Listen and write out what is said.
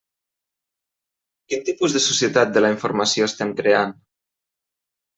Quin tipus de societat de la informació estem creant?